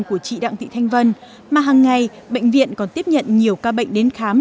của chị đặng thị thanh vân mà hàng ngày bệnh viện còn tiếp nhận nhiều ca bệnh đến khám